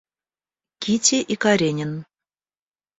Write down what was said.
Кити и Каренин.